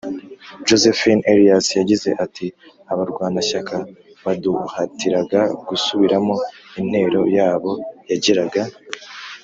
Josephine elias yagize ati abarwanashyaka baduhatiraga gusubiramo intero yabo yagiraga